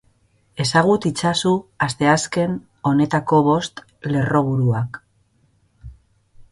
Ezagut itzazu asteazken honetako bost lerroburuak.